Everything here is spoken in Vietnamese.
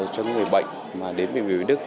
cho những người bệnh mà đến bệnh viện đức